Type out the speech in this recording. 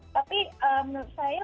tapi menurut saya